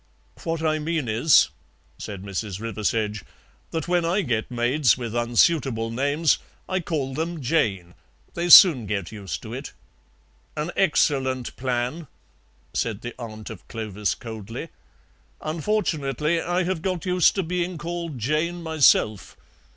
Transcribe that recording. "What I mean is," said Mrs. Riversedge, "that when I get maids with unsuitable names I call them Jane; they soon get used to it." "An excellent plan," said the aunt of Clovis coldly; "unfortunately I have got used to being called Jane myself.